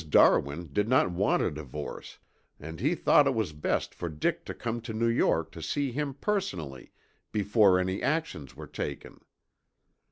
Darwin did not want a divorce, and he thought it was best for Dick to come to New York to see him personally before any actions were taken.